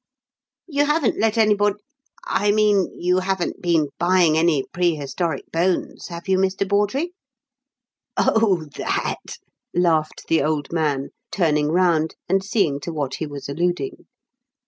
You haven't let anybody I mean, you haven't been buying any prehistoric bones, have you, Mr. Bawdrey?" "Oh, that?" laughed the old man, turning round and seeing to what he was alluding.